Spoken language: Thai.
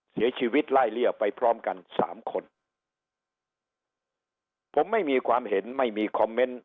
เสียชีวิตไล่เลี่ยไปพร้อมกันสามคนผมไม่มีความเห็นไม่มีคอมเมนต์